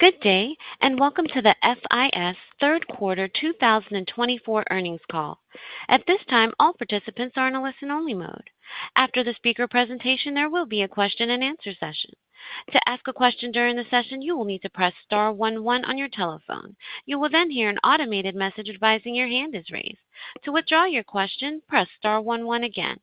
Good day, and welcome to the FIS third quarter 2024 earnings call. At this time, all participants are in a listen-only mode. After the speaker presentation, there will be a question-and-answer session. To ask a question during the session, you will need to press star one one on your telephone. You will then hear an automated message advising your hand is raised. To withdraw your question, press star one one again.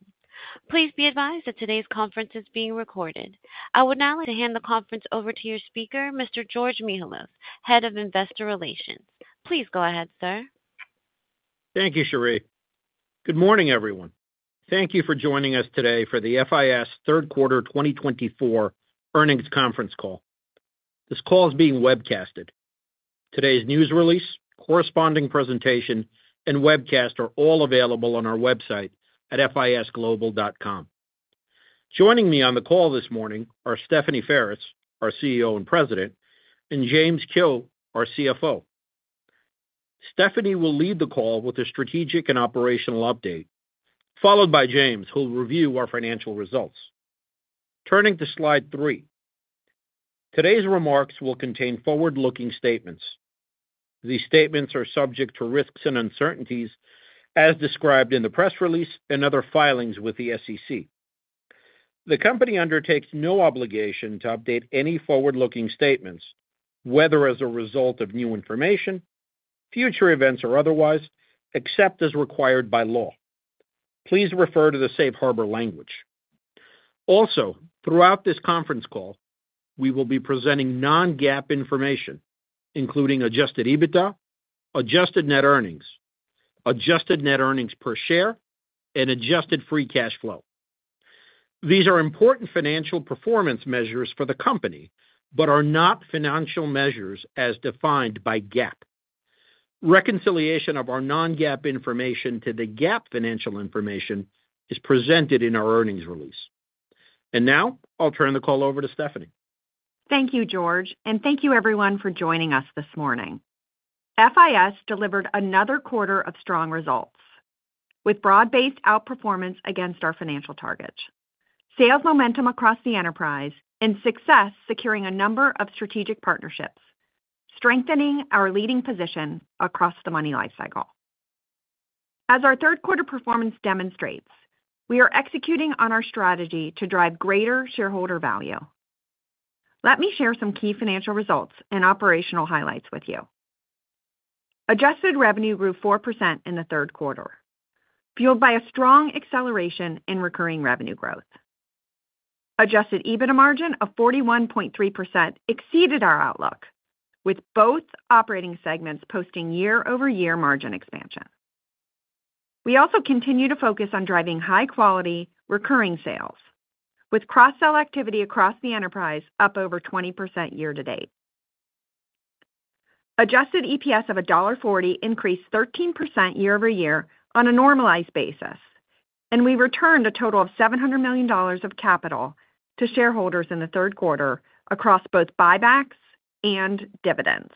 Please be advised that today's conference is being recorded. I would now like to hand the conference over to your speaker, Mr. George Mihalos, Head of Investor Relations. Please go ahead, sir. Thank you, Cherie. Good morning, everyone. Thank you for joining us today for the FIS third quarter 2024 earnings conference call. This call is being webcasted. Today's news release, corresponding presentation, and webcast are all available on our website at fisglobal.com. Joining me on the call this morning are Stephanie Ferris, our CEO and President, and James Kehoe, our CFO. Stephanie will lead the call with a strategic and operational update, followed by James, who will review our financial results. Turning to slide three, today's remarks will contain forward-looking statements. These statements are subject to risks and uncertainties, as described in the press release and other filings with the SEC. The company undertakes no obligation to update any forward-looking statements, whether as a result of new information, future events, or otherwise, except as required by law. Please refer to the safe harbor language. Also, throughout this conference call, we will be presenting non-GAAP information, including Adjusted EBITDA, adjusted net earnings, adjusted net earnings per share, and adjusted free cash flow. These are important financial performance measures for the company but are not financial measures as defined by GAAP. Reconciliation of our non-GAAP information to the GAAP financial information is presented in our earnings release. And now, I'll turn the call over to Stephanie. Thank you, George, and thank you, everyone, for joining us this morning. FIS delivered another quarter of strong results with broad-based outperformance against our financial targets, sales momentum across the enterprise, and success securing a number of strategic partnerships, strengthening our leading position across the Money Lifecycle. As our third quarter performance demonstrates, we are executing on our strategy to drive greater shareholder value. Let me share some key financial results and operational highlights with you. Adjusted revenue grew 4% in the third quarter, fueled by a strong acceleration in recurring revenue growth. Adjusted EBITDA margin of 41.3% exceeded our outlook, with both operating segments posting year-over-year margin expansion. We also continue to focus on driving high-quality recurring sales, with cross-sell activity across the enterprise up over 20% year-to-date. Adjusted EPS of $1.40 increased 13% year-over-year on a normalized basis, and we returned a total of $700 million of capital to shareholders in the third quarter across both buybacks and dividends.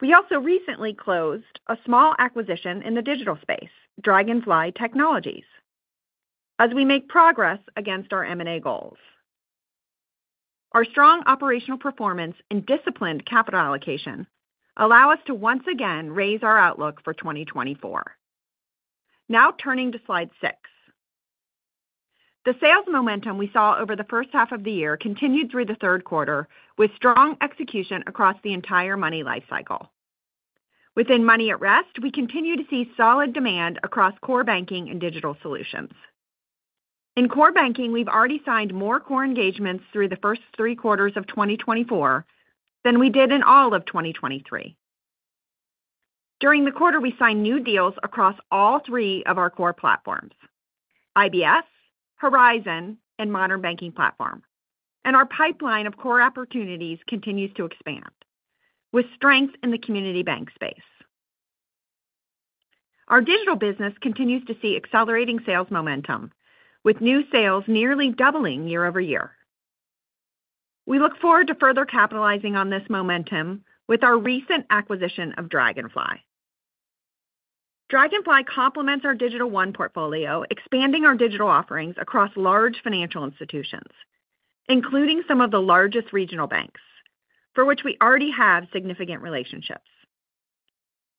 We also recently closed a small acquisition in the digital space, Dragonfly Technologies, as we make progress against our M&A goals. Our strong operational performance and disciplined capital allocation allow us to once again raise our outlook for 2024. Now, turning to slide six, the sales momentum we saw over the first half of the year continued through the third quarter with strong execution across the entire Money Lifecycle. Within Money at Rest, we continue to see solid demand across core banking and digital solutions. In core banking, we've already signed more core engagements through the first three quarters of 2024 than we did in all of 2023. During the quarter, we signed new deals across all three of our core platforms: IBS, Horizon, and Modern Banking Platform, and our pipeline of core opportunities continues to expand with strength in the community bank space. Our digital business continues to see accelerating sales momentum, with new sales nearly doubling year-over-year. We look forward to further capitalizing on this momentum with our recent acquisition of Dragonfly. Dragonfly complements our Digital One portfolio, expanding our digital offerings across large financial institutions, including some of the largest regional banks, for which we already have significant relationships.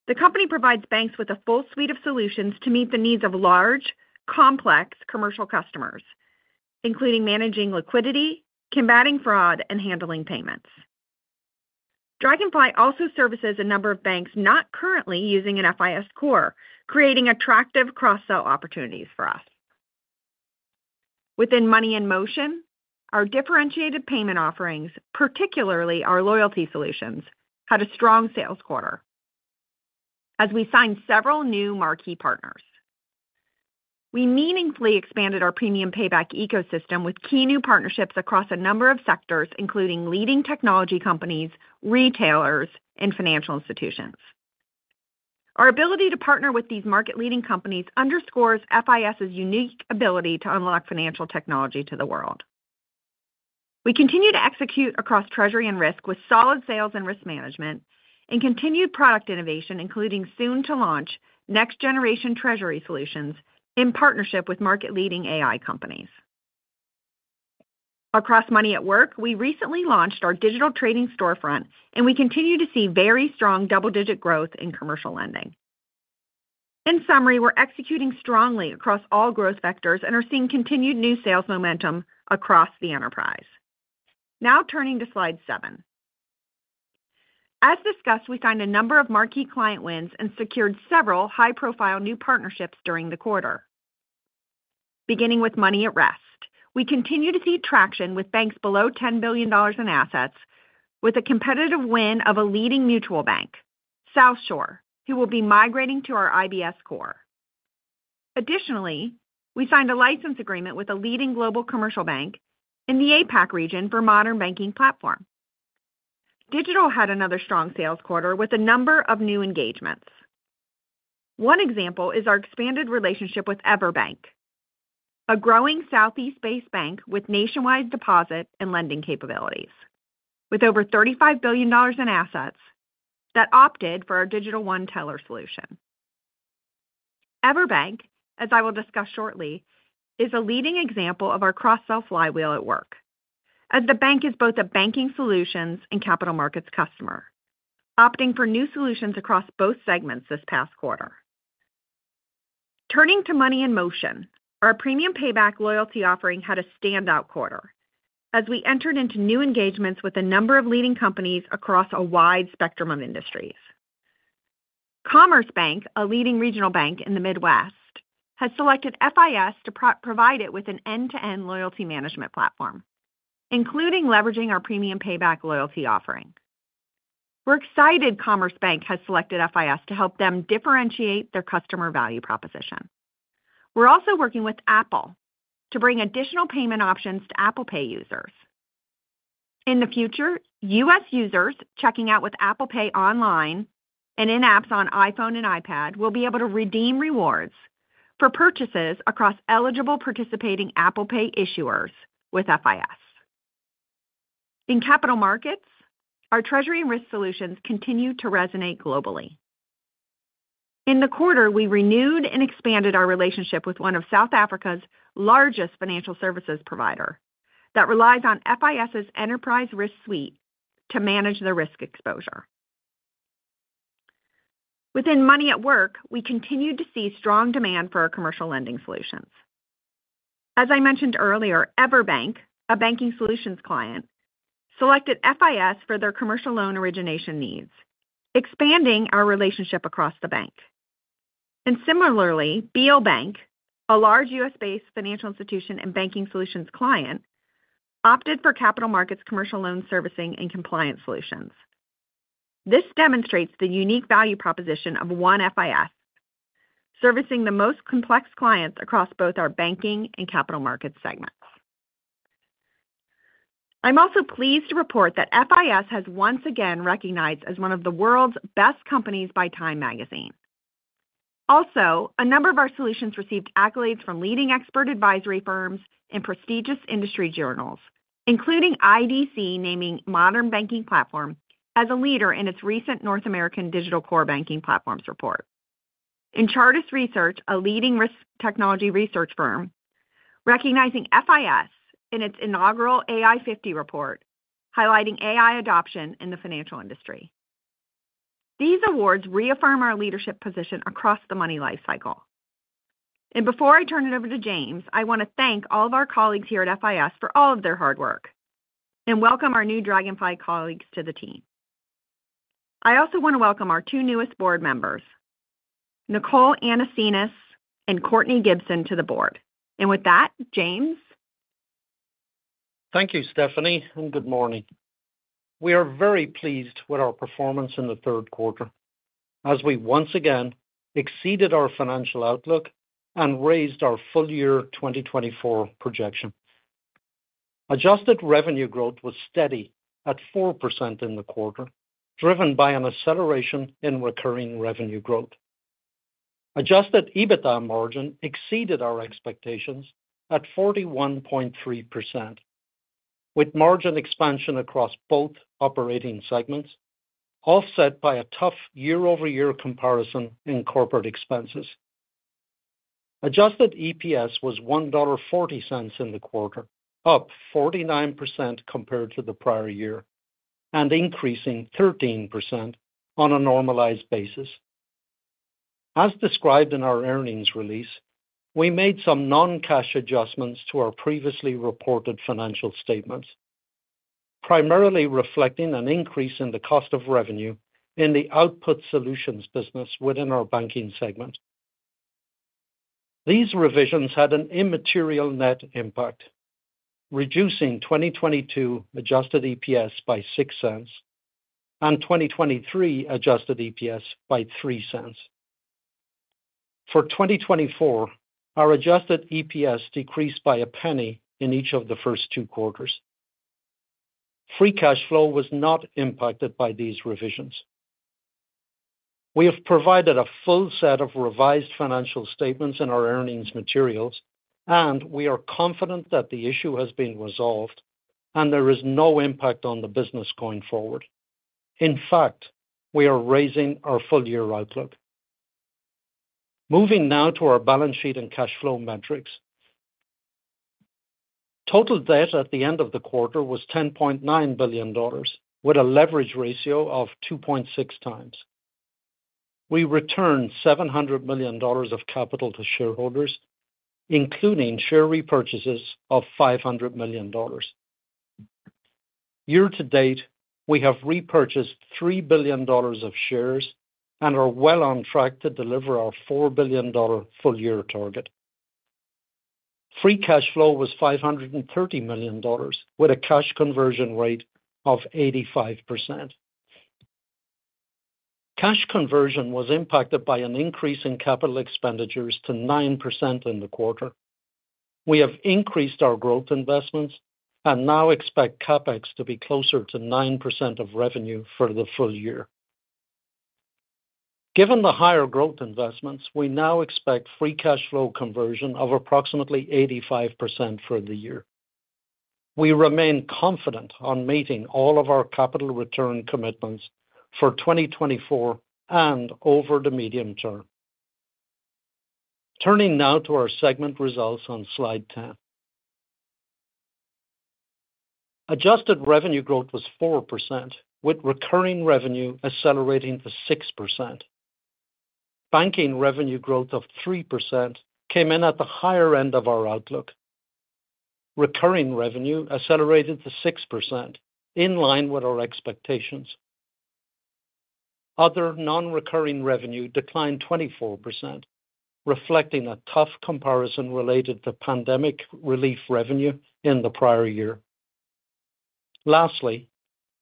The company provides banks with a full suite of solutions to meet the needs of large, complex commercial customers, including managing liquidity, combating fraud, and handling payments. Dragonfly also services a number of banks not currently using an FIS core, creating attractive cross-sell opportunities for us. Within Money in Motion, our differentiated payment offerings, particularly our loyalty solutions, had a strong sales quarter as we signed several new marquee partners. We meaningfully expanded our Premium Payback ecosystem with key new partnerships across a number of sectors, including leading technology companies, retailers, and financial institutions. Our ability to partner with these market-leading companies underscores FIS's unique ability to unlock financial technology to the world. We continue to execute across treasury and risk with solid sales and risk management and continued product innovation, including soon-to-launch next-generation treasury solutions in partnership with market-leading AI companies. Across Money at Work, we recently launched our Digital Trading Storefront, and we continue to see very strong double-digit growth in commercial lending. In summary, we're executing strongly across all growth vectors and are seeing continued new sales momentum across the enterprise. Now, turning to slide seven, as discussed, we signed a number of marquee client wins and secured several high-profile new partnerships during the quarter. Beginning with Money at Rest, we continue to see traction with banks below $10 billion in assets, with a competitive win of a leading mutual bank, South Shore, who will be migrating to our IBS core. Additionally, we signed a license agreement with a leading global commercial bank in the APAC region for Modern Banking Platform. Digital had another strong sales quarter with a number of new engagements. One example is our expanded relationship with EverBank, a growing Southeast-based bank with nationwide deposit and lending capabilities, with over $35 billion in assets that opted for our Digital One Teller solution. EverBank, as I will discuss shortly, is a leading example of our cross-sell flywheel at work, as the bank is both a Banking Solutions and Capital Markets customer, opting for new solutions across both segments this past quarter. Turning to Money in Motion, our Premium Payback loyalty offering had a standout quarter as we entered into new engagements with a number of leading companies across a wide spectrum of industries. Commerce Bank, a leading regional bank in the Midwest, has selected FIS to provide it with an end-to-end loyalty management platform, including leveraging our Premium Payback loyalty offering. We're excited Commerce Bank has selected FIS to help them differentiate their customer value proposition. We're also working with Apple to bring additional payment options to Apple Pay users. In the future, U.S. users checking out with Apple Pay online and in apps on iPhone and iPad will be able to redeem rewards for purchases across eligible participating Apple Pay issuers with FIS. In Capital Markets, our treasury and risk solutions continue to resonate globally. In the quarter, we renewed and expanded our relationship with one of South Africa's largest financial services providers that relies on FIS' Enterprise Risk Suite to manage the risk exposure. Within Money at Work, we continue to see strong demand for our commercial lending solutions. As I mentioned earlier, EverBank, a Banking Solutions client, selected FIS for their commercial loan origination needs, expanding our relationship across the bank. And similarly, Beal Bank, a large U.S.-based financial institution and Banking Solutions client, opted for Capital Markets commercial loan servicing and compliance solutions. This demonstrates the unique value proposition of one FIS, servicing the most complex clients across both our banking and Capital Markets segments. I'm also pleased to report that FIS has once again been recognized as one of the world's best companies by Time Magazine. Also, a number of our solutions received accolades from leading expert advisory firms and prestigious industry journals, including IDC naming Modern Banking Platform as a leader in its recent North American Digital Core Banking Platforms report. Chartis Research, a leading risk technology research firm, recognized FIS in its inaugural AI 50 report, highlighting AI adoption in the financial industry. These awards reaffirm our leadership position across the Money Lifecycle. Before I turn it over to James, I want to thank all of our colleagues here at FIS for all of their hard work and welcome our new Dragonfly colleagues to the team. I also want to welcome our two newest board members, Nicole Anasenes and Courtney Gibson, to the board. With that, James. Thank you, Stephanie, and good morning. We are very pleased with our performance in the third quarter as we once again exceeded our financial outlook and raised our full-year 2024 projection. Adjusted revenue growth was steady at 4% in the quarter, driven by an acceleration in recurring revenue growth. Adjusted EBITDA margin exceeded our expectations at 41.3%, with margin expansion across both operating segments offset by a tough year-over-year comparison in corporate expenses. Adjusted EPS was $1.40 in the quarter, up 49% compared to the prior year and increasing 13% on a normalized basis. As described in our earnings release, we made some non-cash adjustments to our previously reported financial statements, primarily reflecting an increase in the cost of revenue in the Output Solutions business within our banking segment. These revisions had an immaterial net impact, reducing 2022 Adjusted EPS by $0.06 and 2023 Adjusted EPS by $0.03. For 2024, our Adjusted EPS decreased by $0.01 in each of the first two quarters. Free cash flow was not impacted by these revisions. We have provided a full set of revised financial statements in our earnings materials, and we are confident that the issue has been resolved and there is no impact on the business going forward. In fact, we are raising our full-year outlook. Moving now to our balance sheet and cash flow metrics. Total debt at the end of the quarter was $10.9 billion, with a leverage ratio of 2.6 times. We returned $700 million of capital to shareholders, including share repurchases of $500 million. Year-to-date, we have repurchased $3 billion of shares and are well on track to deliver our $4 billion full-year target. Free cash flow was $530 million, with a cash conversion rate of 85%. Cash conversion was impacted by an increase in capital expenditures to 9% in the quarter. We have increased our growth investments and now expect CapEx to be closer to 9% of revenue for the full-year. Given the higher growth investments, we now expect free cash flow conversion of approximately 85% for the year. We remain confident on meeting all of our capital return commitments for 2024 and over the medium term. Turning now to our segment results on slide 10. Adjusted revenue growth was 4%, with recurring revenue accelerating to 6%. Banking revenue growth of 3% came in at the higher end of our outlook. Recurring revenue accelerated to 6%, in line with our expectations. Other non-recurring revenue declined 24%, reflecting a tough comparison related to pandemic relief revenue in the prior year. Lastly,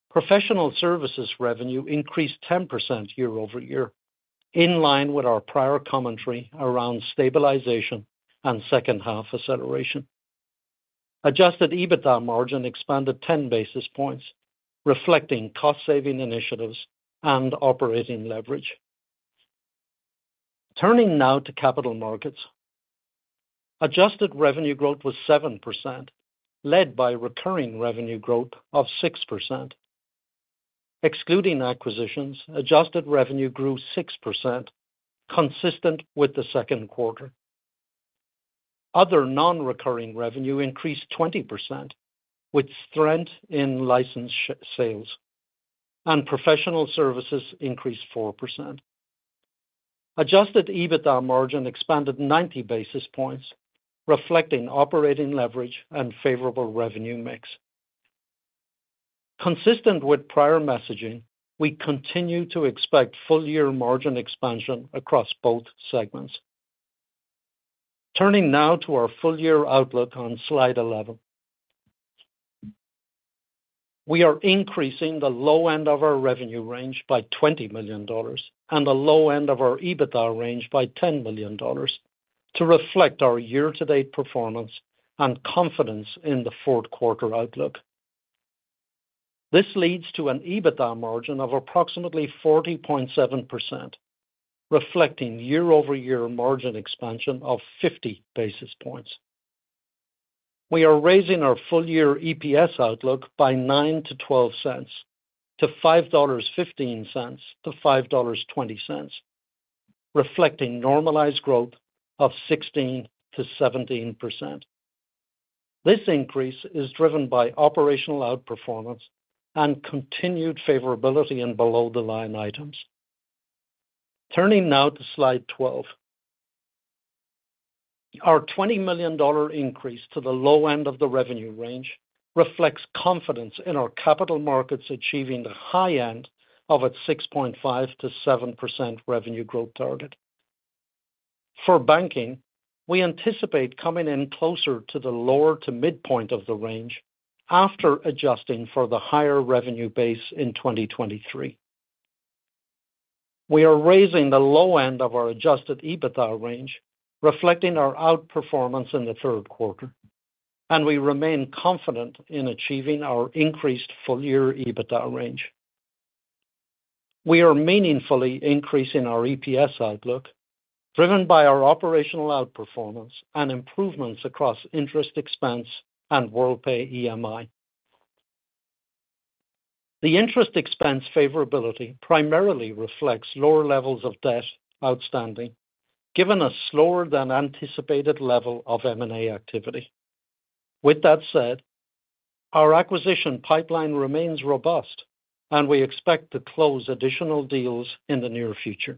professional services revenue increased 10% year-over-year, in line with our prior commentary around stabilization and second-half acceleration. Adjusted EBITDA margin expanded 10 basis points, reflecting cost-saving initiatives and operating leverage. Turning now to Capital Markets, adjusted revenue growth was 7%, led by recurring revenue growth of 6%. Excluding acquisitions, adjusted revenue grew 6%, consistent with the second quarter. Other non-recurring revenue increased 20%, with strength in license sales, and professional services increased 4%. Adjusted EBITDA margin expanded 90 basis points, reflecting operating leverage and favorable revenue mix. Consistent with prior messaging, we continue to expect full-year margin expansion across both segments. Turning now to our full-year outlook on slide 11. We are increasing the low end of our revenue range by $20 million and the low end of our EBITDA range by $10 million to reflect our year-to-date performance and confidence in the fourth quarter outlook. This leads to an EBITDA margin of approximately 40.7%, reflecting year-over-year margin expansion of 50 basis points. We are raising our full-year EPS outlook by $0.09-$0.12 to $5.15-$5.20, reflecting normalized growth of 16% to 17%. This increase is driven by operational outperformance and continued favorability in below-the-line items. Turning now to slide 12. Our $20 million increase to the low end of the revenue range reflects confidence in our Capital Markets achieving the high end of a 6.5%-7% revenue growth target. For banking, we anticipate coming in closer to the lower to midpoint of the range after adjusting for the higher revenue base in 2023. We are raising the low end of our Adjusted EBITDA range, reflecting our outperformance in the third quarter, and we remain confident in achieving our increased full-year EBITDA range. We are meaningfully increasing our EPS outlook, driven by our operational outperformance and improvements across interest expense and Worldpay EMI. The interest expense favorability primarily reflects lower levels of debt outstanding, given a slower than anticipated level of M&A activity. With that said, our acquisition pipeline remains robust, and we expect to close additional deals in the near future.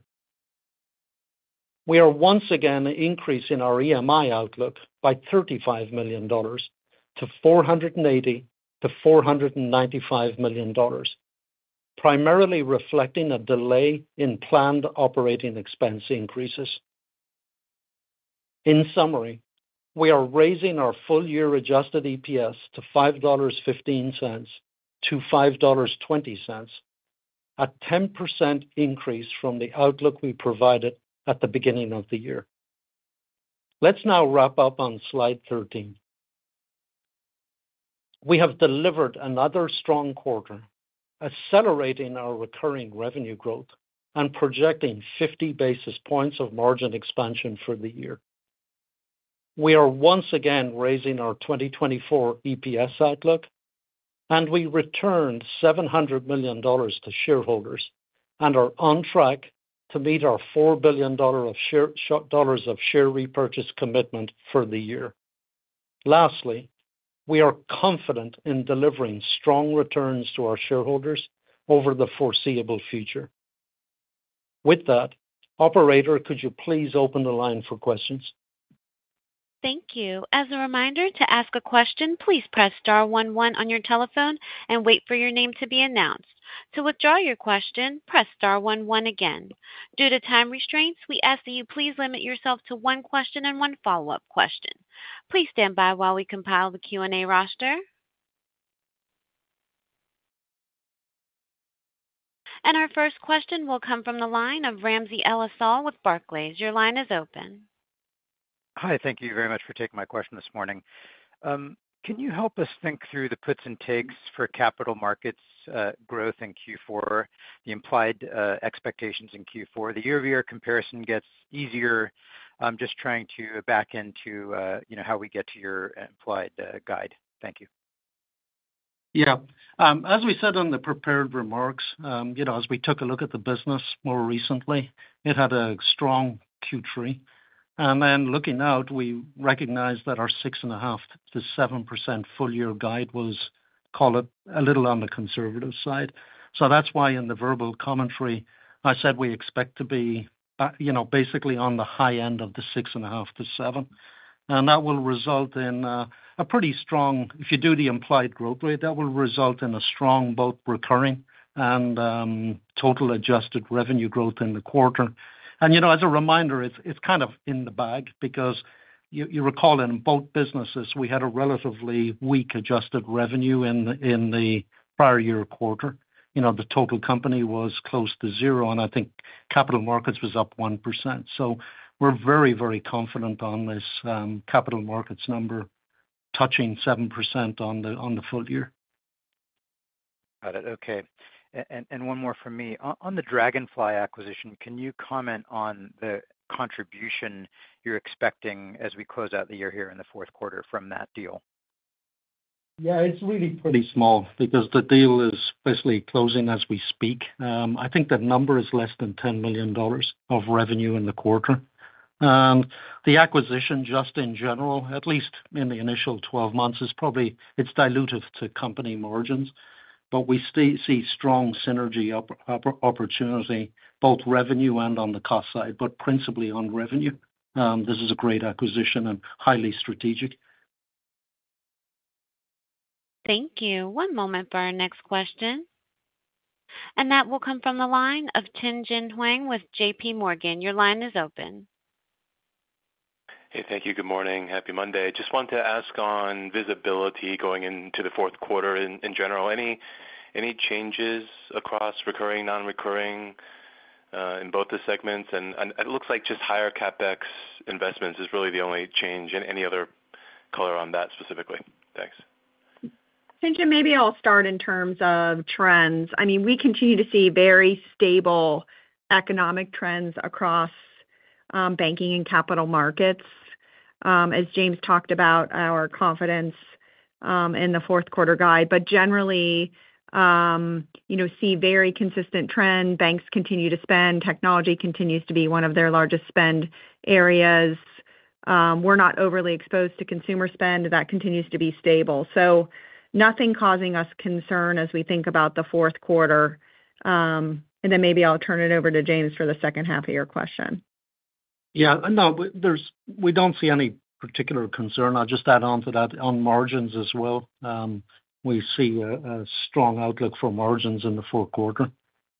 We are once again increasing our EMI outlook by $35 million to $480 million-$495 million, primarily reflecting a delay in planned operating expense increases. In summary, we are raising our full-year Adjusted EPS to $5.15-$5.20, a 10% increase from the outlook we provided at the beginning of the year. Let's now wrap up on slide 13. We have delivered another strong quarter, accelerating our recurring revenue growth and projecting 50 basis points of margin expansion for the year. We are once again raising our 2024 EPS outlook, and we returned $700 million to shareholders and are on track to meet our $4 billion of share repurchase commitment for the year. Lastly, we are confident in delivering strong returns to our shareholders over the foreseeable future. With that, Operator, could you please open the line for questions? Thank you. As a reminder, to ask a question, please press star 11 on your telephone and wait for your name to be announced. To withdraw your question, press star one one again. Due to time restraints, we ask that you please limit yourself to one question and one follow-up question. Please stand by while we compile the Q&A roster, and our first question will come from the line of Ramsey El-Assal with Barclays. Your line is open. Hi, thank you very much for taking my question this morning. Can you help us think through the puts and takes for Capital Markets growth in Q4, the implied expectations in Q4? The year-over-year comparison gets easier. I'm just trying to back into how we get to your implied guide. Thank you. Yeah. As we said in the prepared remarks, as we took a look at the business more recently, it had a strong Q3. And then looking out, we recognized that our 6.5%-7% full-year guide was, call it, a little on the conservative side. So that's why in the verbal commentary, I said we expect to be basically on the high end of the 6.5%-7%. And that will result in a pretty strong, if you do the implied growth rate, that will result in a strong both recurring and total adjusted revenue growth in the quarter. And as a reminder, it's kind of in the bag because you recall in both businesses, we had a relatively weak adjusted revenue in the prior year quarter. The total company was close to zero, and I think Capital Markets was up 1%. We're very, very confident on this Capital Markets number, touching 7% on the full-year. Got it. Okay, and one more from me. On the Dragonfly acquisition, can you comment on the contribution you're expecting as we close out the year here in the fourth quarter from that deal? Yeah, it's really pretty small because the deal is basically closing as we speak. I think the number is less than $10 million of revenue in the quarter. The acquisition, just in general, at least in the initial 12 months, is probably dilutive to company margins, but we see strong synergy opportunity, both revenue and on the cost side, but principally on revenue. This is a great acquisition and highly strategic. Thank you. One moment for our next question. And that will come from the line of Tien-Tsin Huang with JPMorgan. Your line is open. Hey, thank you. Good morning. Happy Monday. Just wanted to ask on visibility going into the fourth quarter in general. Any changes across recurring, non-recurring in both the segments? And it looks like just higher CapEx investments is really the only change. Any other color on that specifically? Thanks. Tien-Tsin, maybe I'll start in terms of trends. I mean, we continue to see very stable economic trends across banking and Capital Markets. As James talked about, our confidence in the fourth quarter guide, but generally, see very consistent trend. Banks continue to spend. Technology continues to be one of their largest spend areas. We're not overly exposed to consumer spend. That continues to be stable. So nothing causing us concern as we think about the fourth quarter, and then maybe I'll turn it over to James for the second half of your question. Yeah. No, we don't see any particular concern. I'll just add on to that on margins as well. We see a strong outlook for margins in the fourth quarter,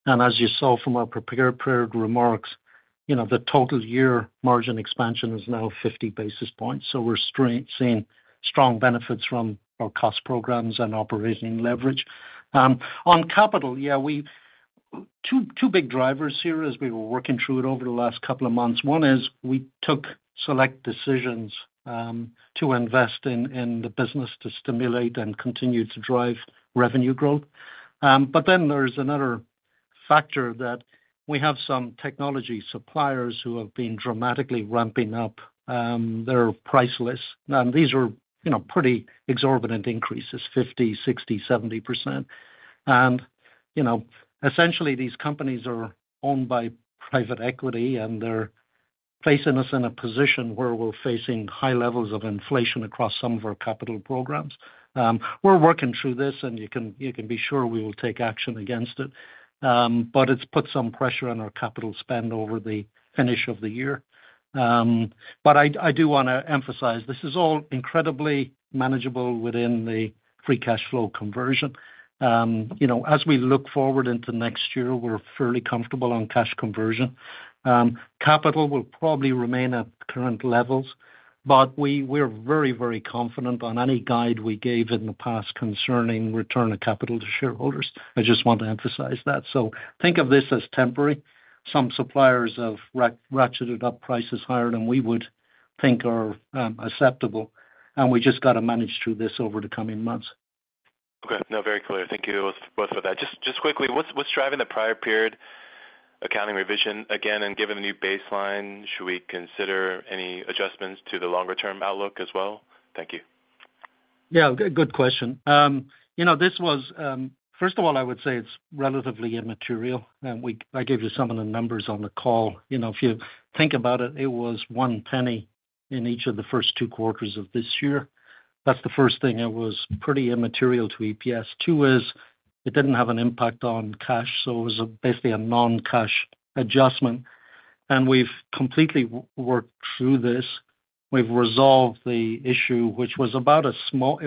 and as you saw from our prepared remarks, the total year margin expansion is now 50 basis points, so we're seeing strong benefits from our cost programs and operating leverage. On capital, yeah, two big drivers here as we were working through it over the last couple of months. One is we took select decisions to invest in the business to stimulate and continue to drive revenue growth, but then there's another factor that we have some technology suppliers who have been dramatically ramping up their price list, and these are pretty exorbitant increases, 50%, 60%, 70%. Essentially, these companies are owned by private equity, and they're placing us in a position where we're facing high levels of inflation across some of our capital programs. We're working through this, and you can be sure we will take action against it. But it's put some pressure on our capital spend over the finish of the year. But I do want to emphasize this is all incredibly manageable within the free cash flow conversion. As we look forward into next year, we're fairly comfortable on cash conversion. Capital will probably remain at current levels, but we're very, very confident on any guide we gave in the past concerning return of capital to shareholders. I just want to emphasize that. So think of this as temporary. Some suppliers have ratcheted up prices higher than we would think are acceptable. We just got to manage through this over the coming months. Okay. No, very clear. Thank you both for that. Just quickly, what's driving the prior period accounting revision again? And given the new baseline, should we consider any adjustments to the longer-term outlook as well? Thank you. Yeah. Good question. This was, first of all, I would say it's relatively immaterial. I gave you some of the numbers on the call. If you think about it, it was $0.01 in each of the first two quarters of this year. That's the first thing. It was pretty immaterial to EPS. Two is it didn't have an impact on cash. So it was basically a non-cash adjustment. And we've completely worked through this. We've resolved the issue, which was about a small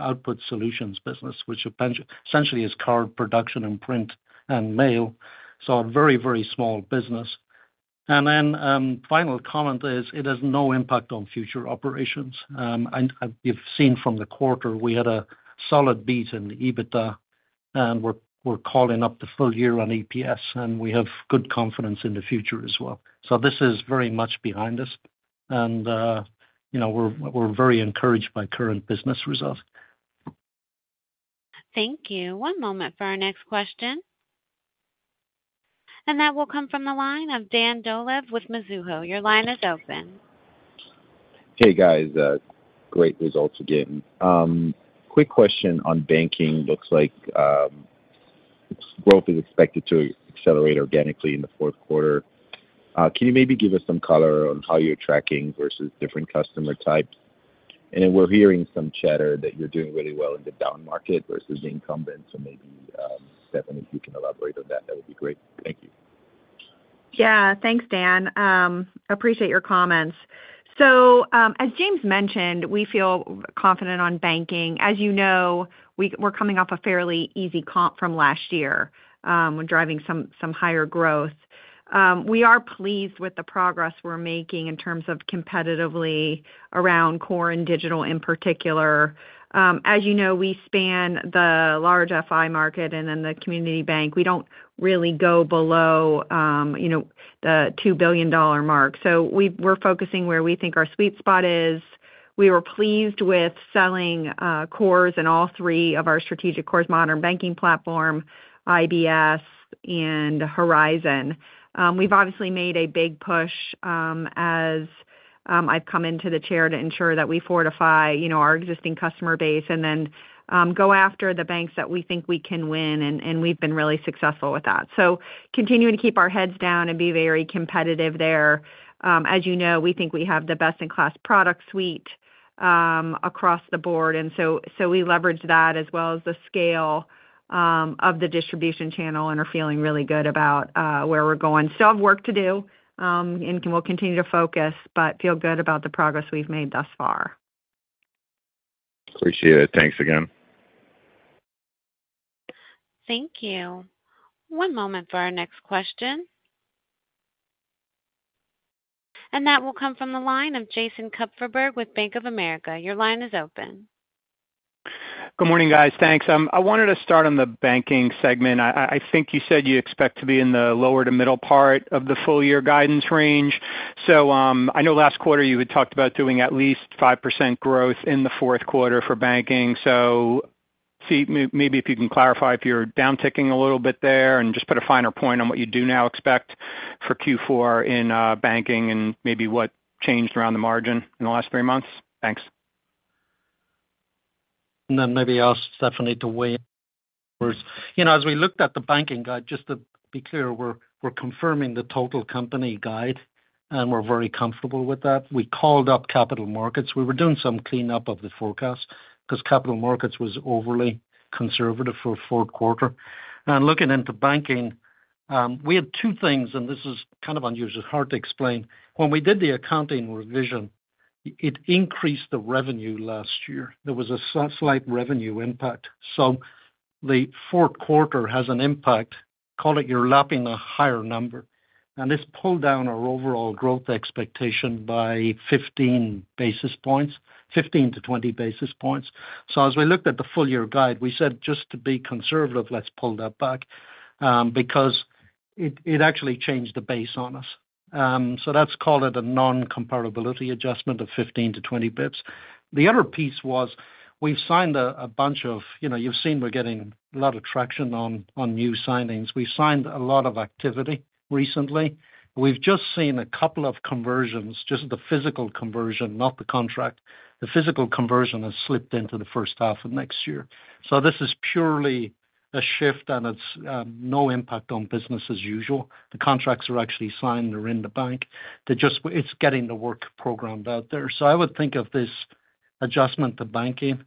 Output Solutions business, which essentially is card production and print and mail. So a very, very small business. And then final comment is it has no impact on future operations. You've seen from the quarter, we had a solid beat in EBITDA, and we're calling up the full-year on EPS, and we have good confidence in the future as well. This is very much behind us. We're very encouraged by current business results. Thank you. One moment for our next question. And that will come from the line of Dan Dolev with Mizuho. Your line is open. Hey, guys. Great results again. Quick question on banking. Looks like growth is expected to accelerate organically in the fourth quarter. Can you maybe give us some color on how you're tracking versus different customer types? And we're hearing some chatter that you're doing really well in the down market versus the incumbent. So maybe, Stephanie, if you can elaborate on that, that would be great. Thank you. Yeah. Thanks, Dan. Appreciate your comments. So as James mentioned, we feel confident on banking. As you know, we're coming off a fairly easy comp from last year when driving some higher growth. We are pleased with the progress we're making in terms of competitively around core and digital in particular. As you know, we span the large FI market and then the community bank. We don't really go below the $2 billion mark. So we're focusing where we think our sweet spot is. We were pleased with selling cores in all three of our strategic cores, Modern Banking Platform, IBS, and Horizon. We've obviously made a big push as I've come into the chair to ensure that we fortify our existing customer base and then go after the banks that we think we can win. And we've been really successful with that. So continuing to keep our heads down and be very competitive there. As you know, we think we have the best-in-class product suite across the board. And so we leverage that as well as the scale of the distribution channel and are feeling really good about where we're going. Still have work to do and will continue to focus, but feel good about the progress we've made thus far. Appreciate it. Thanks again. Thank you. One moment for our next question, and that will come from the line of Jason Kupferberg with Bank of America. Your line is open. Good morning, guys. Thanks. I wanted to start on the banking segment. I think you said you expect to be in the lower to middle part of the full-year guidance range. So I know last quarter you had talked about doing at least 5% growth in the fourth quarter for banking. So maybe if you can clarify if you're downticking a little bit there and just put a finer point on what you do now expect for Q4 in banking and maybe what changed around the margin in the last three months. Thanks. Then maybe ask Stephanie to weigh in. As we looked at the banking guide, just to be clear, we're confirming the total company guide, and we're very comfortable with that. We called up Capital Markets. We were doing some cleanup of the forecast because Capital Markets was overly conservative for fourth quarter. Looking into banking, we had two things, and this is kind of unusual, hard to explain. When we did the accounting revision, it increased the revenue last year. There was a slight revenue impact. So the fourth quarter has an impact. Call it, you're lapping a higher number. And this pulled down our overall growth expectation by 15-20 basis points. So as we looked at the full-year guide, we said, "Just to be conservative, let's pull that back," because it actually changed the base on us. So that's called it a non-comparability adjustment of 15-20 basis points. The other piece was we've signed a bunch of you've seen we're getting a lot of traction on new signings. We've signed a lot of activity recently. We've just seen a couple of conversions, just the physical conversion, not the contract. The physical conversion has slipped into the first half of next year. So this is purely a shift, and it's no impact on business as usual. The contracts are actually signed. They're in the bank. It's getting the work programmed out there. So I would think of this adjustment to banking,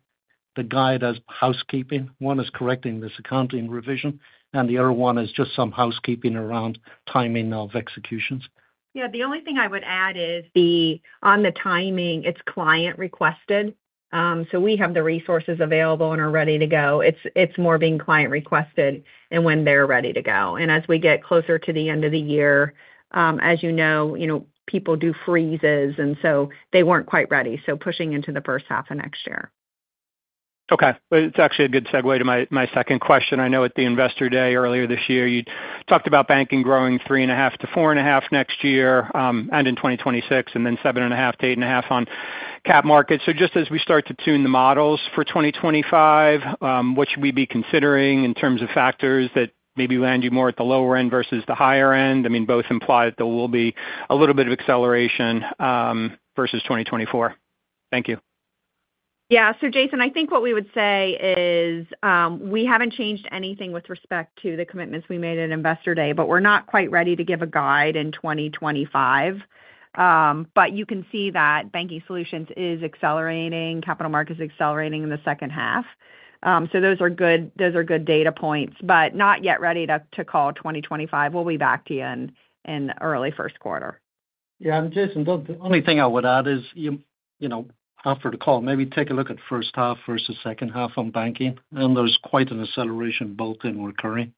the guide as housekeeping. One is correcting this accounting revision, and the other one is just some housekeeping around timing of executions. Yeah. The only thing I would add is on the timing, it's client-requested. So we have the resources available and are ready to go. It's more being client-requested and when they're ready to go. And as we get closer to the end of the year, as you know, people do freezes, and so they weren't quite ready. So pushing into the first half of next year. Okay. It's actually a good segue to my second question. I know at the Investor Day earlier this year, you talked about banking growing 3.5%-4.5% next year and in 2026, and then 7.5%-8.5% on Capital Markets. So just as we start to tune the models for 2025, what should we be considering in terms of factors that maybe land you more at the lower end versus the higher end? I mean, both imply that there will be a little bit of acceleration versus 2024. Thank you. Yeah. So Jason, I think what we would say is we haven't changed anything with respect to the commitments we made at Investor Day, but we're not quite ready to give a guide in 2025. But you can see that Banking Solutions is accelerating. Capital markets are accelerating in the second half. So those are good data points, but not yet ready to call 2025. We'll be back to you in early first quarter. Yeah. And Jason, the only thing I would add is after the call, maybe take a look at first half versus second half on banking. And there's quite an acceleration both in recurring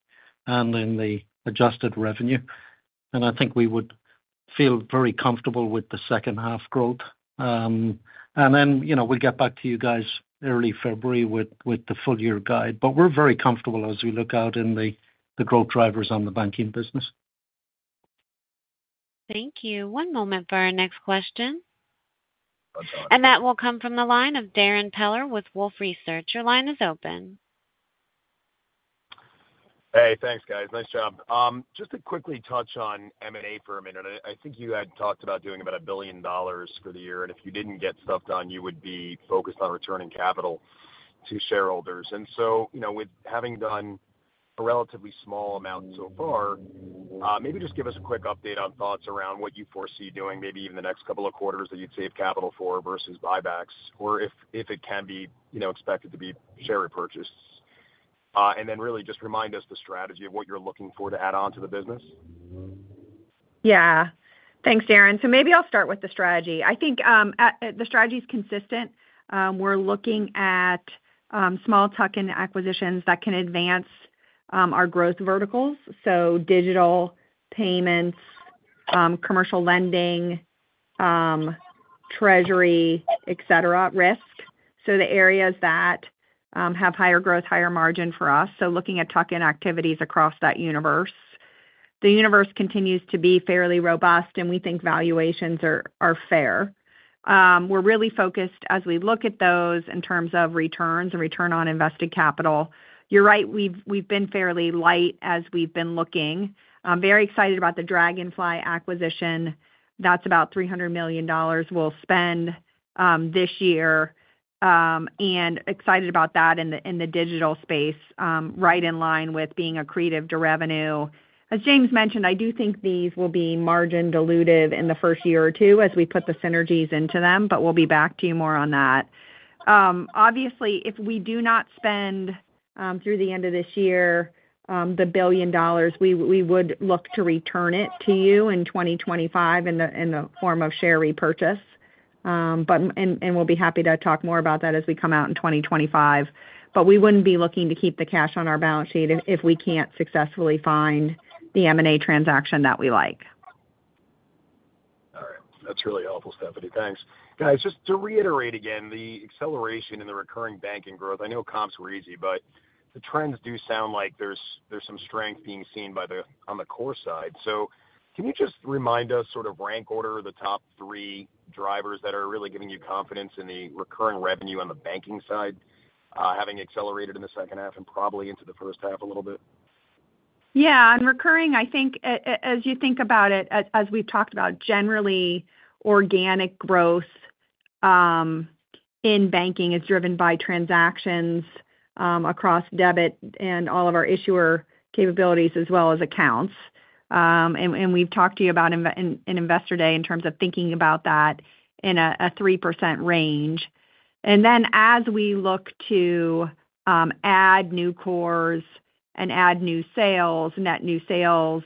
and in the adjusted revenue. And I think we would feel very comfortable with the second half growth. And then we'll get back to you guys early February with the full-year guide. But we're very comfortable as we look out in the growth drivers on the banking business. Thank you. One moment for our next question. That will come from the line of Darrin Peller with Wolfe Research. Your line is open. Hey, thanks, guys. Nice job. Just to quickly touch on M&A for a minute. I think you had talked about doing about $1 billion for the year. And if you didn't get stuff done, you would be focused on returning capital to shareholders. And so with having done a relatively small amount so far, maybe just give us a quick update on thoughts around what you foresee doing, maybe even the next couple of quarters that you'd save capital for versus buybacks, or if it can be expected to be shares repurchased. And then really just remind us the strategy of what you're looking for to add on to the business. Yeah. Thanks, Darren. So maybe I'll start with the strategy. I think the strategy is consistent. We're looking at small tuck-in acquisitions that can advance our growth verticals. So digital payments, commercial lending, treasury, etc., risk. So the areas that have higher growth, higher margin for us. So looking at tuck-in activities across that universe. The universe continues to be fairly robust, and we think valuations are fair. We're really focused, as we look at those in terms of returns and return on invested capital. You're right. We've been fairly light as we've been looking. Very excited about the Dragonfly acquisition. That's about $300 million we'll spend this year and excited about that in the digital space, right in line with being accretive to revenue. As James mentioned, I do think these will be margin-dilutive in the first year or two as we put the synergies into them, but we'll be back to you more on that. Obviously, if we do not spend through the end of this year the $1 billion, we would look to return it to you in 2025 in the form of share repurchase. And we'll be happy to talk more about that as we come out in 2025. But we wouldn't be looking to keep the cash on our balance sheet if we can't successfully find the M&A transaction that we like. All right. That's really helpful, Stephanie. Thanks. Guys, just to reiterate again, the acceleration in the recurring banking growth, I know comps were easy, but the trends do sound like there's some strength being seen on the core side. So can you just remind us sort of rank order the top three drivers that are really giving you confidence in the recurring revenue on the banking side, having accelerated in the second half and probably into the first half a little bit? Yeah. And recurring, I think, as you think about it, as we've talked about, generally organic growth in banking is driven by transactions across debit and all of our issuer capabilities as well as accounts. And we've talked to you about in Investor Day in terms of thinking about that in a 3% range. And then as we look to add new cores and add new sales, net new sales,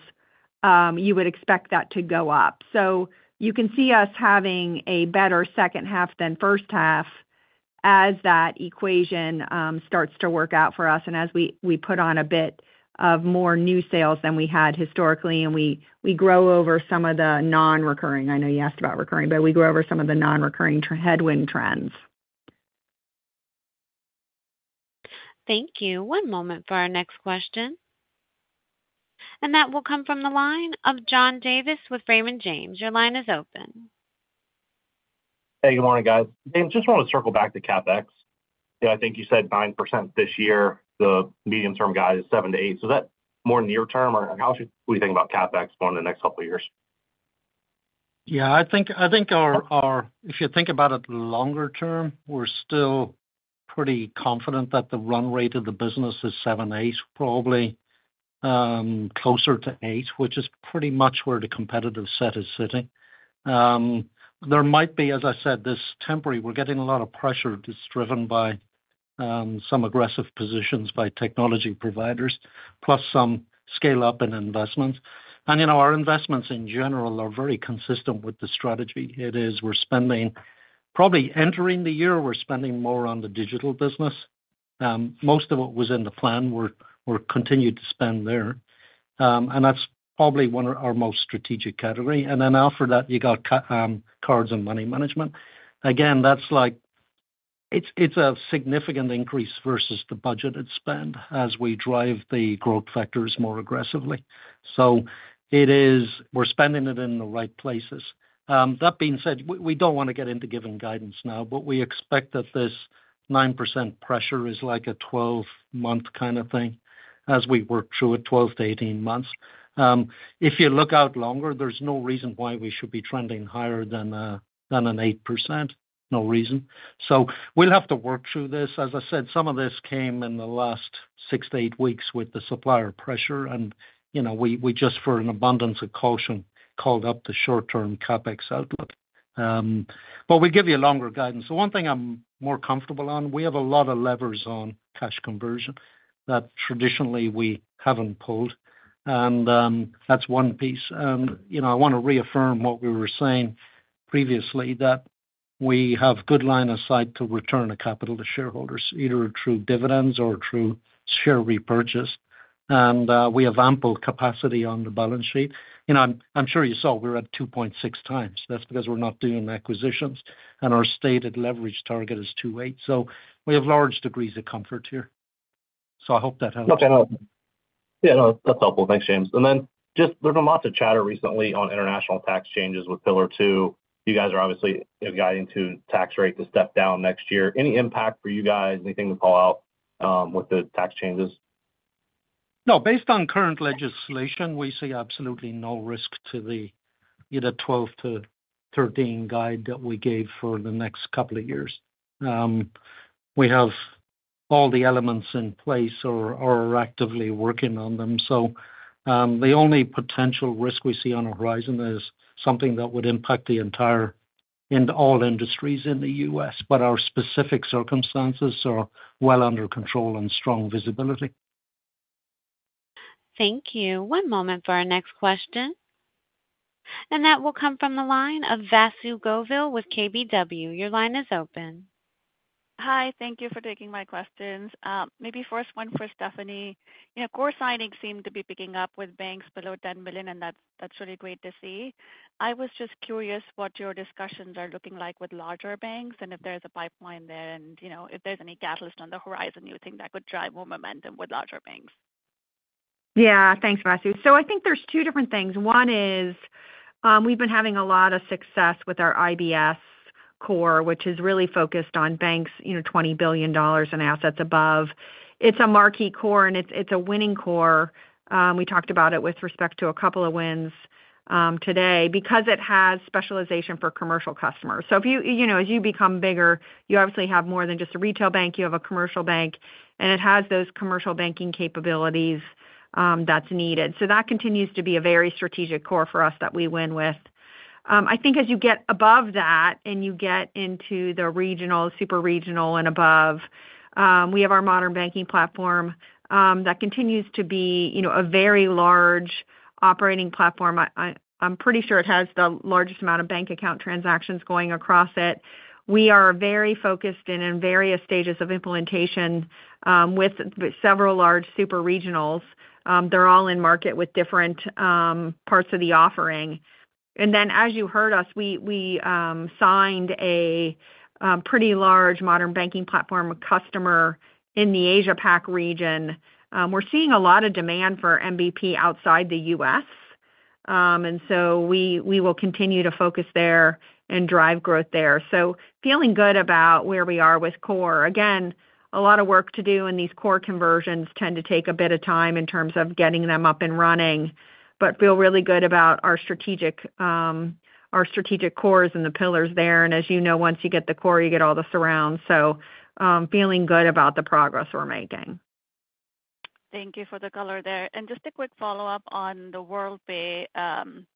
you would expect that to go up. So you can see us having a better second half than first half as that equation starts to work out for us. And as we put on a bit of more new sales than we had historically, and we grow over some of the non-recurring. I know you asked about recurring, but we grow over some of the non-recurring headwind trends. Thank you. One moment for our next question, and that will come from the line of John Davis with Raymond James. Your line is open. Hey, good morning, guys. James, just want to circle back to CapEx. I think you said 9% this year. The medium-term guide is 7%-8%. So is that more near-term? Or what do you think about CapEx going in the next couple of years? Yeah. I think if you think about it longer term, we're still pretty confident that the run rate of the business is 7%-8%, probably closer to 8%, which is pretty much where the competitive set is sitting. There might be, as I said, this temporary, we're getting a lot of pressure. It's driven by some aggressive positions by technology providers, plus some scale-up and investments. And our investments in general are very consistent with the strategy. It is we're spending probably entering the year, we're spending more on the digital business. Most of what was in the plan, we'll continue to spend there. And that's probably one of our most strategic categories. And then after that, you got cards and money management. Again, it's a significant increase versus the budget it spent as we drive the growth factors more aggressively. So we're spending it in the right places. That being said, we don't want to get into giving guidance now, but we expect that this 9% pressure is like a 12-month kind of thing as we work through it, 12-18 months. If you look out longer, there's no reason why we should be trending higher than an 8%. No reason. So we'll have to work through this. As I said, some of this came in the last six to eight weeks with the supplier pressure, and we just, for an abundance of caution, called up the short-term CapEx outlook, but we'll give you longer guidance. The one thing I'm more comfortable on, we have a lot of levers on cash conversion that traditionally we haven't pulled, and that's one piece. I want to reaffirm what we were saying previously, that we have good line of sight to return the capital to shareholders, either through dividends or through share repurchase. We have ample capacity on the balance sheet. I'm sure you saw we're at 2.6 times. That's because we're not doing acquisitions. Our stated leverage target is 2.8. We have large degrees of comfort here. I hope that helps. Yeah. No, that's helpful. Thanks, James. And then just there's been lots of chatter recently on international tax changes with Pillar Two. You guys are obviously guiding to tax rate to step down next year. Any impact for you guys? Anything to call out with the tax changes? No. Based on current legislation, we see absolutely no risk to the 12-13 guide that we gave for the next couple of years. We have all the elements in place or are actively working on them. So the only potential risk we see on the horizon is something that would impact the entire and all industries in the U.S., but our specific circumstances are well under control and strong visibility. Thank you. One moment for our next question. And that will come from the line of Vasu Govil with KBW. Your line is open. Hi. Thank you for taking my questions. Maybe first one for Stephanie. Core signings seem to be picking up with banks below $10 billion, and that's really great to see. I was just curious what your discussions are looking like with larger banks and if there's a pipeline there and if there's any catalyst on the horizon you think that could drive more momentum with larger banks. Yeah. Thanks, Vasu. So I think there's two different things. One is we've been having a lot of success with our IBS core, which is really focused on banks $20 billion and assets above. It's a marquee core, and it's a winning core. We talked about it with respect to a couple of wins today because it has specialization for commercial customers. So as you become bigger, you obviously have more than just a retail bank. You have a commercial bank, and it has those commercial banking capabilities that's needed. So that continues to be a very strategic core for us that we win with. I think as you get above that and you get into the regional, super regional, and above, we have our Modern Banking Platform that continues to be a very large operating platform. I'm pretty sure it has the largest amount of bank account transactions going across it. We are very focused in various stages of implementation with several large super regionals. They're all in market with different parts of the offering. And then, as you heard us, we signed a pretty large modern banking platform customer in the APAC region. We're seeing a lot of demand for MBP outside the U.S. And so we will continue to focus there and drive growth there. So feeling good about where we are with core. Again, a lot of work to do, and these core conversions tend to take a bit of time in terms of getting them up and running. But feel really good about our strategic cores and the pillars there. And as you know, once you get the core, you get all the surrounds. So feeling good about the progress we're making. Thank you for the color there. And just a quick follow-up on the Worldpay.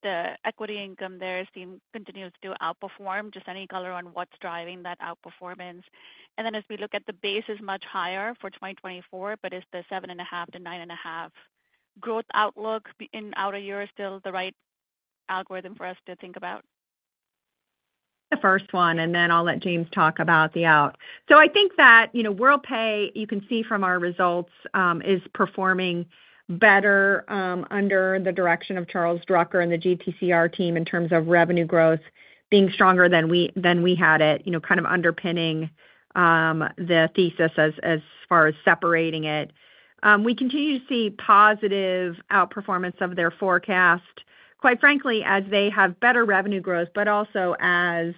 The equity income there continues to outperform. Just any color on what's driving that outperformance. And then as we look at the base is much higher for 2024, but is the 7.5%-9.5% growth outlook in outer year still the right algorithm for us to think about? The first one, and then I'll let James talk about the out. So I think that Worldpay, you can see from our results, is performing better under the direction of Charles Drucker and the GTCR team in terms of revenue growth being stronger than we had it, kind of underpinning the thesis as far as separating it. We continue to see positive outperformance of their forecast, quite frankly, as they have better revenue growth, but also as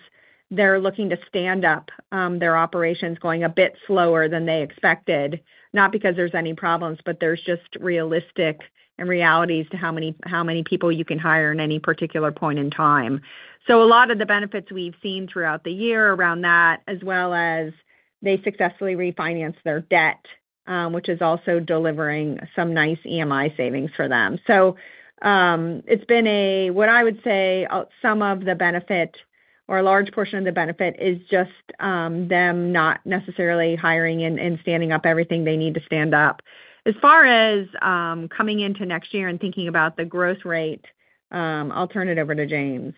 they're looking to stand up their operations going a bit slower than they expected, not because there's any problems, but there's just realistic and realities to how many people you can hire in any particular point in time. So a lot of the benefits we've seen throughout the year around that, as well as they successfully refinanced their debt, which is also delivering some nice EMI savings for them. So, it's been a, what I would say, some of the benefit or a large portion of the benefit is just them not necessarily hiring and standing up everything they need to stand up. As far as coming into next year and thinking about the growth rate, I'll turn it over to James.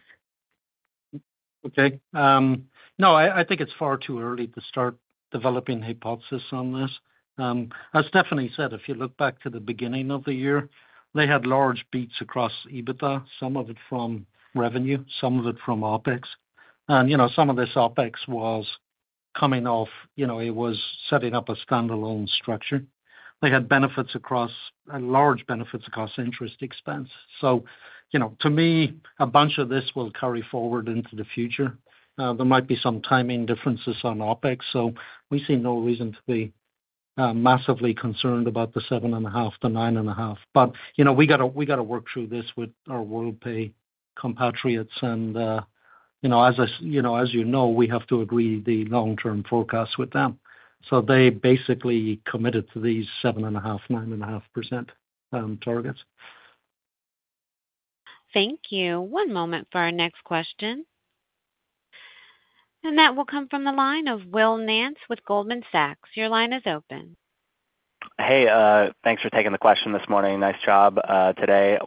Okay. No, I think it's far too early to start developing a hypothesis on this. As Stephanie said, if you look back to the beginning of the year, they had large beats across EBITDA, some of it from revenue, some of it from OpEx. And some of this OpEx was coming off. It was setting up a standalone structure. They had large benefits across interest expense. So to me, a bunch of this will carry forward into the future. There might be some timing differences on OpEx. So we see no reason to be massively concerned about the 7.5%-9.5%. But we got to work through this with our Worldpay compatriots. And as you know, we have to agree the long-term forecast with them. So they basically committed to these 7.5%-9.5% targets. Thank you. One moment for our next question. And that will come from the line of Will Nance with Goldman Sachs. Your line is open. Hey, thanks for taking the question this morning. Nice job today.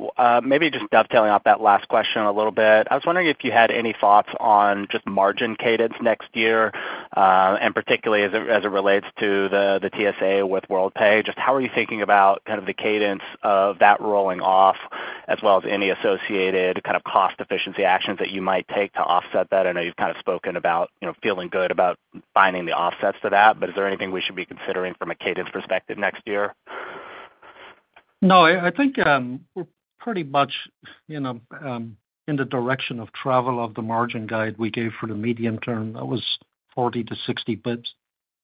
Maybe just dovetailing off that last question a little bit. I was wondering if you had any thoughts on just margin cadence next year, and particularly as it relates to the TSA with Worldpay. Just how are you thinking about kind of the cadence of that rolling off, as well as any associated kind of cost efficiency actions that you might take to offset that? I know you've kind of spoken about feeling good about finding the offsets to that, but is there anything we should be considering from a cadence perspective next year? No. I think we're pretty much in the direction of travel of the margin guide we gave for the medium term. That was 40-60 basis points.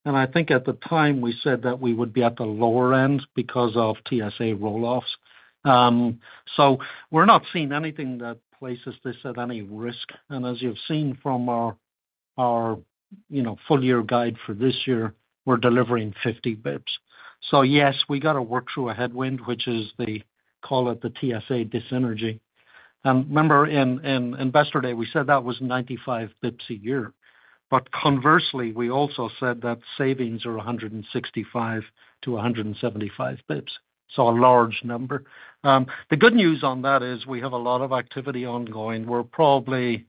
And I think at the time we said that we would be at the lower end because of TSA rolloffs. So we're not seeing anything that places this at any risk. And as you've seen from our full-year guide for this year, we're delivering 50 basis points. So yes, we got to work through a headwind, which is they call it the TSA dis-synergy. And remember, in Investor Day, we said that was 95 basis points a year. But conversely, we also said that savings are 165-175 basis points. So a large number. The good news on that is we have a lot of activity ongoing. We're probably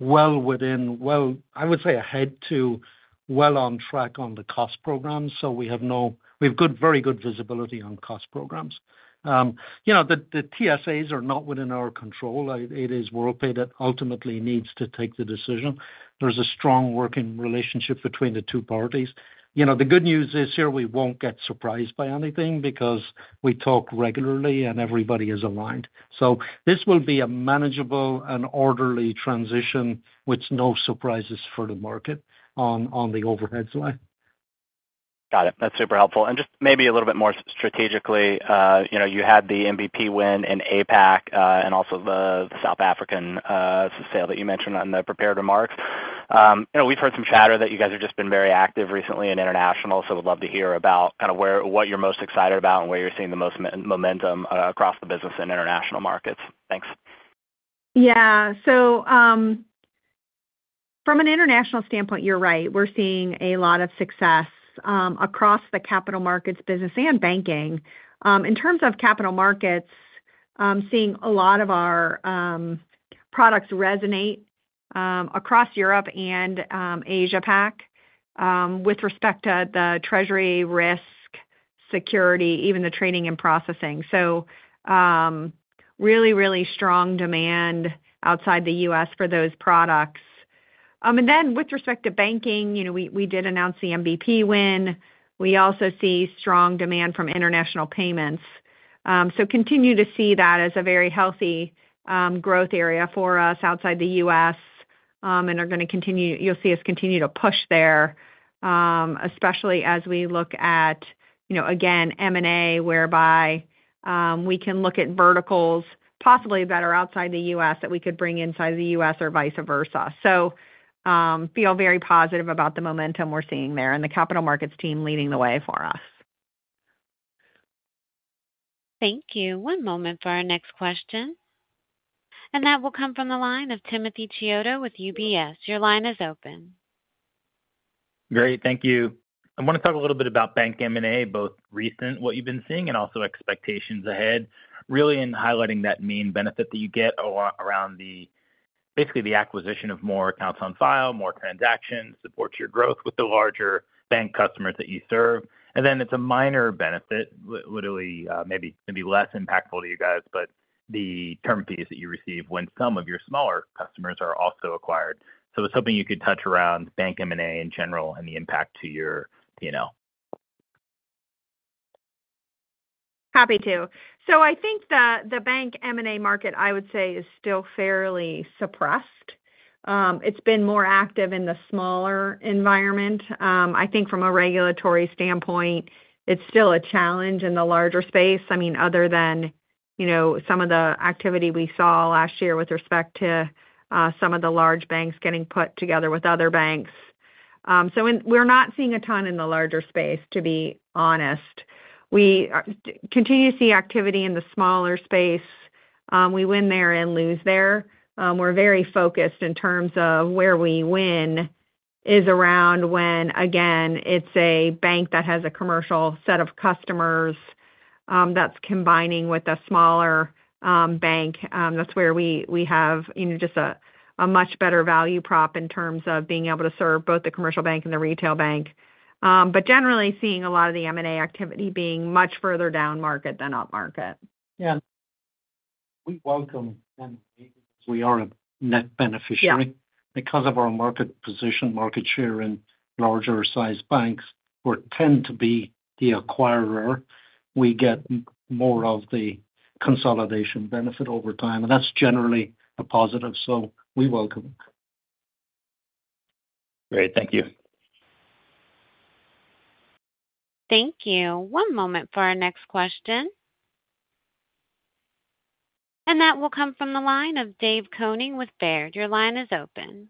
well within, well, I would say ahead to well on track on the cost programs. So we have very good visibility on cost programs. The TSAs are not within our control. It is Worldpay that ultimately needs to take the decision. There's a strong working relationship between the two parties. The good news is here we won't get surprised by anything because we talk regularly and everybody is aligned. So this will be a manageable and orderly transition with no surprises for the market on the overhead side. Got it. That's super helpful. And just maybe a little bit more strategically, you had the MBP win in APAC and also the South African sale that you mentioned on the prepared remarks. We've heard some chatter that you guys have just been very active recently in international, so we'd love to hear about kind of what you're most excited about and where you're seeing the most momentum across the business in international markets. Thanks. Yeah. So from an international standpoint, you're right. We're seeing a lot of success across the Capital Markets, business, and banking. In terms of Capital Markets, seeing a lot of our products resonate across Europe and Asia-Pac with respect to the treasury risk, security, even the training and processing. So really, really strong demand outside the U.S. for those products. And then with respect to banking, we did announce the MBP win. We also see strong demand from international payments. So continue to see that as a very healthy growth area for us outside the U.S., and are going to continue, you'll see us continue to push there, especially as we look at, again, M&A, whereby we can look at verticals possibly that are outside the U.S. that we could bring inside the U.S. or vice versa. So feel very positive about the momentum we're seeing there and the Capital Markets team leading the way for us. Thank you. One moment for our next question. And that will come from the line of Timothy Chiodo with UBS. Your line is open. Great. Thank you. I want to talk a little bit about bank M&A, both recent, what you've been seeing, and also expectations ahead, really in highlighting that main benefit that you get around basically the acquisition of more accounts on file, more transactions, supports your growth with the larger bank customers that you serve, and then it's a minor benefit, literally maybe less impactful to you guys, but the term fees that you receive when some of your smaller customers are also acquired. So I was hoping you could touch around bank M&A in general and the impact to your P&L. Happy to. So I think the bank M&A market, I would say, is still fairly suppressed. It's been more active in the smaller environment. I think from a regulatory standpoint, it's still a challenge in the larger space, I mean, other than some of the activity we saw last year with respect to some of the large banks getting put together with other banks. So we're not seeing a ton in the larger space, to be honest. We continue to see activity in the smaller space. We win there and lose there. We're very focused in terms of where we win is around when, again, it's a bank that has a commercial set of customers that's combining with a smaller bank. That's where we have just a much better value prop in terms of being able to serve both the commercial bank and the retail bank. But generally seeing a lot of the M&A activity being much further down market than up market. Yeah. We welcome M&A because we are a net beneficiary. Because of our market position, market share in larger-sized banks, we tend to be the acquirer. We get more of the consolidation benefit over time, and that's generally a positive. So we welcome it. Great. Thank you. Thank you. One moment for our next question, and that will come from the line of Dave Koning with Baird. Your line is open.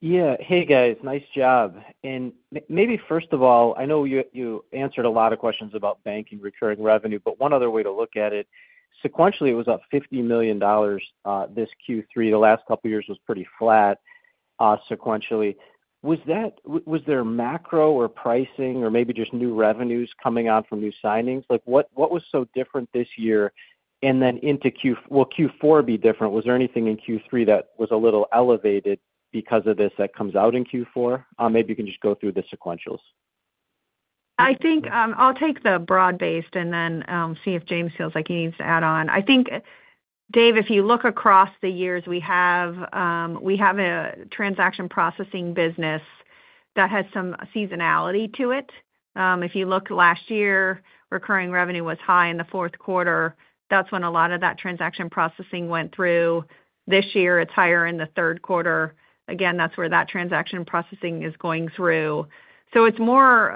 Yeah. Hey, guys. Nice job. And maybe first of all, I know you answered a lot of questions about banking recurring revenue, but one other way to look at it, sequentially, it was up $50 million this Q3. The last couple of years was pretty flat sequentially. Was there macro or pricing or maybe just new revenues coming on from new signings? What was so different this year? And then, well, Q4 be different. Was there anything in Q3 that was a little elevated because of this that comes out in Q4? Maybe you can just go through the sequentials. I think I'll take the broad-based and then see if James feels like he needs to add on. I think, Dave, if you look across the years, we have a transaction processing business that has some seasonality to it. If you look last year, recurring revenue was high in the fourth quarter. That's when a lot of that transaction processing went through. This year, it's higher in the third quarter. Again, that's where that transaction processing is going through. So it's more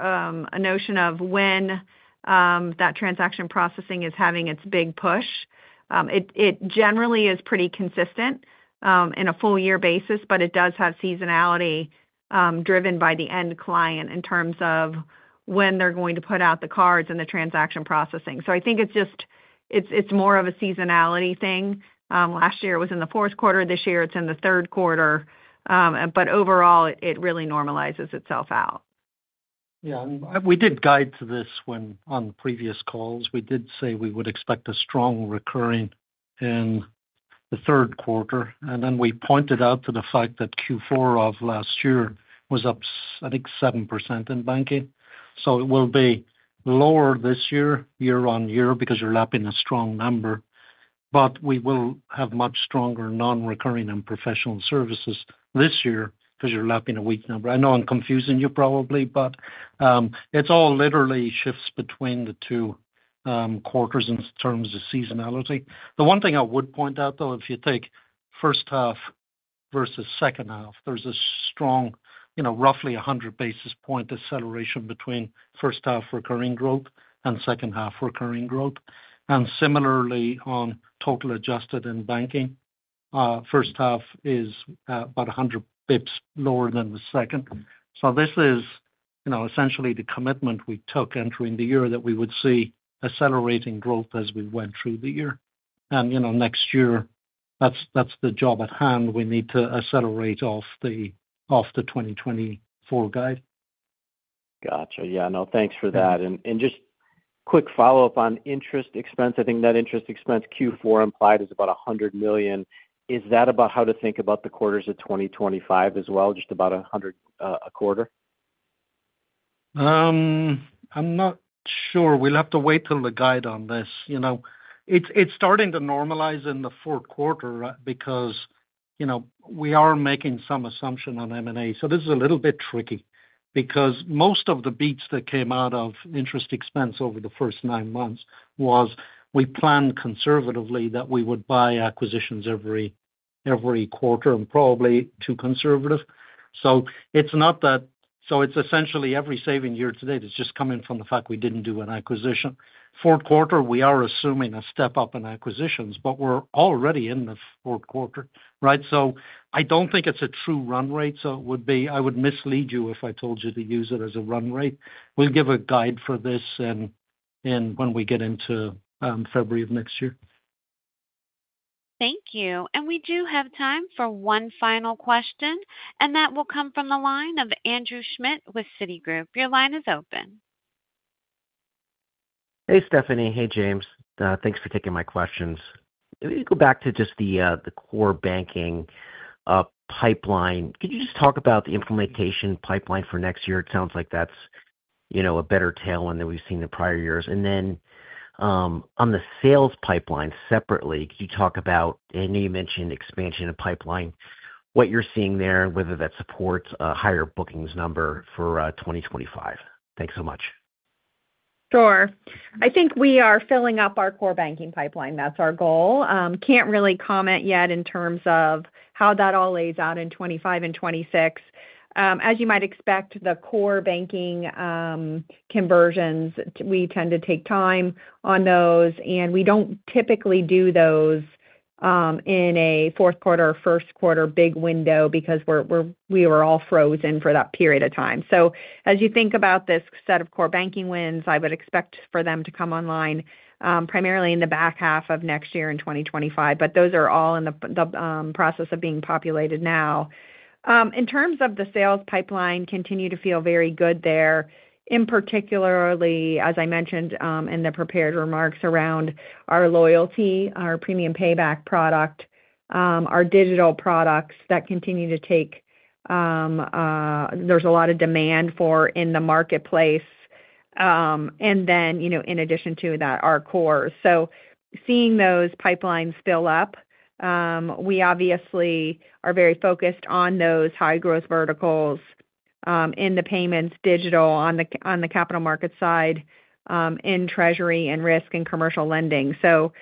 a notion of when that transaction processing is having its big push. It generally is pretty consistent in a full-year basis, but it does have seasonality driven by the end client in terms of when they're going to put out the cards and the transaction processing. So I think it's more of a seasonality thing. Last year it was in the fourth quarter. This year it's in the third quarter, but overall, it really normalizes itself out. Yeah. We did guide to this on previous calls. We did say we would expect a strong recurring in the third quarter. And then we pointed out to the fact that Q4 of last year was up, I think, 7% in banking. So it will be lower this year, year-on-year, because you're lapping a strong number. But we will have much stronger non-recurring and professional services this year because you're lapping a weak number. I know I'm confusing you probably, but it's all literally shifts between the two quarters in terms of seasonality. The one thing I would point out, though, if you take first half versus second half, there's a strong, roughly 100 basis points acceleration between first half recurring growth and second half recurring growth. And similarly, on total adjusted in banking, first half is about 100 basis points lower than the second. So this is essentially the commitment we took entering the year that we would see accelerating growth as we went through the year. And next year, that's the job at hand. We need to accelerate off the 2024 guide. Gotcha. Yeah. No, thanks for that. And just quick follow-up on interest expense. I think net interest expense Q4 implied is about $100 million. Is that about how to think about the quarters of 2025 as well, just about a quarter? I'm not sure. We'll have to wait till the guidance on this. It's starting to normalize in the fourth quarter because we are making some assumption on M&A. So this is a little bit tricky because most of the beats that came out of interest expense over the first nine months was we planned conservatively that we would buy acquisitions every quarter and probably too conservative. So it's not that. So it's essentially every savings year-to-date is just coming from the fact we didn't do an acquisition. Fourth quarter, we are assuming a step up in acquisitions, but we're already in the fourth quarter, right? So I don't think it's a true run rate. So I would mislead you if I told you to use it as a run rate. We'll give a guidance for this when we get into February of next year. Thank you. And we do have time for one final question, and that will come from the line of Andrew Schmidt with Citigroup. Your line is open. Hey, Stephanie. Hey, James. Thanks for taking my questions. If we go back to just the core banking pipeline, could you just talk about the implementation pipeline for next year? It sounds like that's a better tailwind than we've seen in prior years. And then on the sales pipeline separately, could you talk about, I know you mentioned expansion of pipeline, what you're seeing there and whether that supports a higher bookings number for 2025? Thanks so much. Sure. I think we are filling up our core banking pipeline. That's our goal. Can't really comment yet in terms of how that all lays out in 2025 and 2026. As you might expect, the core banking conversions, we tend to take time on those, and we don't typically do those in a fourth quarter or first quarter big window because we were all frozen for that period of time. So as you think about this set of core banking wins, I would expect for them to come online primarily in the back half of next year in 2025, but those are all in the process of being populated now. In terms of the sales pipeline, we continue to feel very good there, in particular, as I mentioned in the prepared remarks around our loyalty, our Premium Payback product, our digital products that continue to take. There's a lot of demand for in the marketplace. And then in addition to that, our core. So seeing those pipelines fill up, we obviously are very focused on those high-growth verticals in the payments, digital on the capital market side, in treasury and risk and commercial lending. So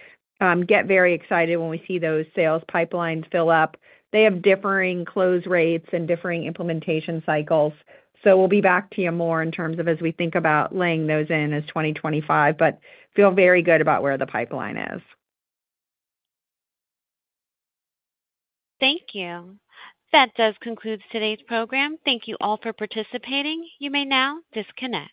get very excited when we see those sales pipelines fill up. They have differing close rates and differing implementation cycles. So we'll be back to you more in terms of as we think about laying those in as 2025, but feel very good about where the pipeline is. Thank you. That does conclude today's program. Thank you all for participating. You may now disconnect.